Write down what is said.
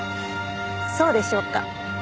そうでしょうか？